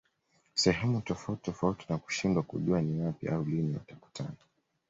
sehemu tofauti tofauti na kushindwa kujua ni wapi au lini watakutana